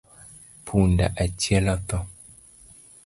Punda achiel otho